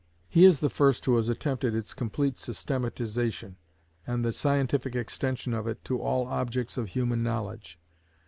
He is the first who has attempted its complete systematization, and the scientific extension of it to all objects of human knowledge.